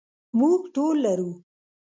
موږ ټول لرو.